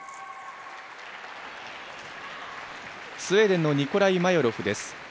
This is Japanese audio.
スウェーデンのニコライ・マヨロフです。